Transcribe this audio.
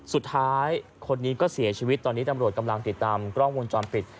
สุดท้ายคนนี้ก็เสียชีวิตตอนนี้ตำรวจกำลังติดตามกล้องวงจรปิด